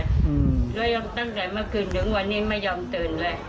แล้วยังตั้งแต่เมื่อคืนถึงวันนี้ไม่ยอมตื่นเลย